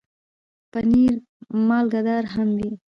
پنېر مالګهدار هم وي.